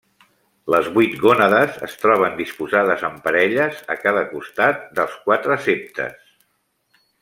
Les vuit gònades es troben disposades en parelles a cada costat dels quatre septes.